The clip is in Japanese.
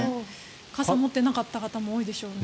傘を持っていなかった方も多かったでしょうね。